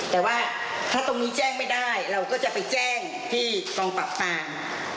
แต่ว่าถ้าตรงนี้แจ้งไม่ได้เราก็จะไปแจ้งที่กองปรับปราม